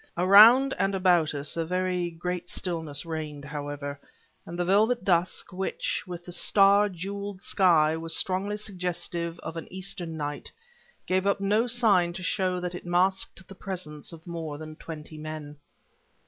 Around and about us a very great stillness reigned, however, and the velvet dusk which, with the star jeweled sky, was strongly suggestive of an Eastern night gave up no sign to show that it masked the presence of more than twenty men.